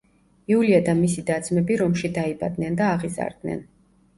იულია და მისი და-ძმები რომში დაიბადნენ და აღიზარდნენ.